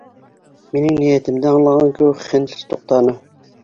Минең ниәтемде аңлаған кеүек Хэндс туҡтаны.